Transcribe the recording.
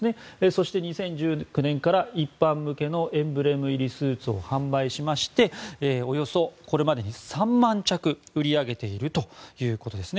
そして、２０１９年から一般向けのエンブレム入りスーツを販売しましてこれまでに、およそ３万着売り上げているということです。